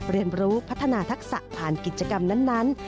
เรียนรู้พัฒนาทักษะผ่านกิจกรรมนั้น